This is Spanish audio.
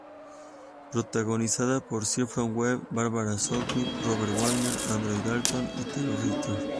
Protagonizada por Clifton Webb, Barbara Stanwyck, Robert Wagner, Audrey Dalton y Thelma Ritter.